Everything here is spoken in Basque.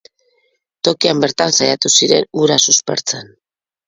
Tokian bertan saiatu ziren hura suspertzen.